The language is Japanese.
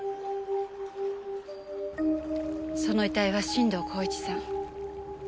その遺体は進藤孝一さん。